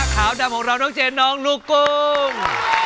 ขาวดำของเราน้องเจนน้องลูกกุ้ง